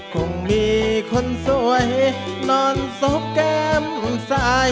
คงมีคนสวยนอนซบแก้มซ้าย